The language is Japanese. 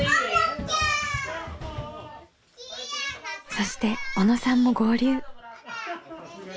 そして小野さんも合流。